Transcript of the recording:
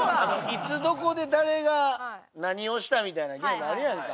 「いつどこで誰が何をした」みたいなゲームあるやんか。